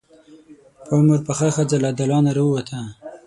په عمر پخه ښځه له دالانه راووته.